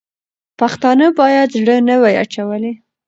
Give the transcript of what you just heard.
پښتانه باید زړه نه وای اچولی.